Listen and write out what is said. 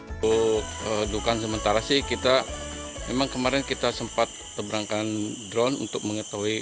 untuk dukan sementara sih kita memang kemarin kita sempat terberangkan drone untuk mengetahui